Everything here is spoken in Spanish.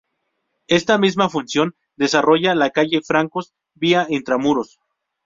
Esta misma función desarrolla la calle Francos vía intramuros.